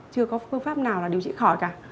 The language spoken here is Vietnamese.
chưa có phương pháp nào là điều trị khỏi cả